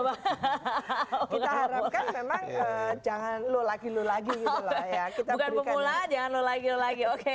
hahaha kita harapkan memang jangan lulagi lulagi gitu ya kita bukan pemula jangan lulagi lulagi oke